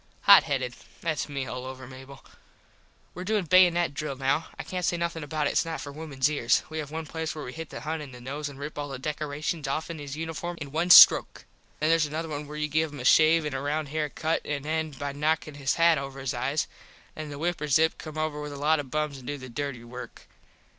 Hot headed. Thats me all over. Were doin baynut drill now. I cant say nothin about it. Its not for wimens ears. We have one place where we hit the Hun in the nose an rip all the decorashuns offen his uniform all in one stroke. Then theres another where you give him a shave an a round hair cut an end by knocking his hat over his eyes. Then the wiperzup come over with a lot of bums an do the dirty work.